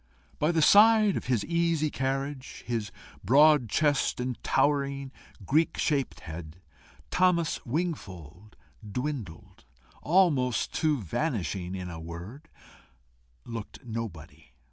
By the side of his easy carriage, his broad chest, and towering Greek shaped head, Thomas Wingfold dwindled almost to vanishing in a word, looked nobody.